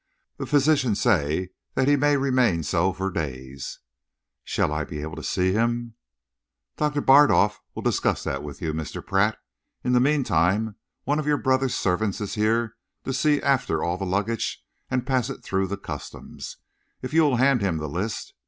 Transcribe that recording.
"The physician says that he may remain so for days." "Shall I be able to see him?" "Doctor Bardolf will discuss that with you, Mr. Pratt. In the meantime, one of your brother's servants is here to see after all the luggage and pass it through the Customs, if you will hand him the list.